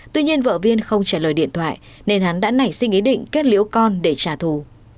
tuy nhiên vợ viên không trả lời điện thoại nên hắn đã nảy sinh ý định kết liễu con để trả thù